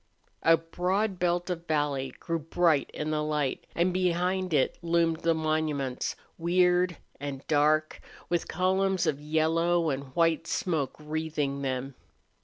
A broad belt of valley grew bright in the light, and behind it loomed the monuments, weird and dark, with columns of yellow and white smoke wreathing them.